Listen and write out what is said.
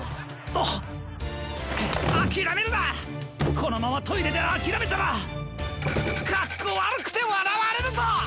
このままトイレであきらめたらかっこわるくてわらわれるぞ！